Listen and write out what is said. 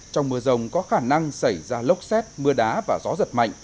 trong mưa rông có khả năng xảy ra lốc xét mưa đá và gió giật mạnh